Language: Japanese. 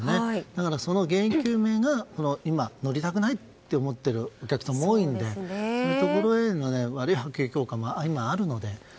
だからその原因究明が今、乗りたくないと思っているお客さんも多いのでそういうところへの悪い影響も今はあるので。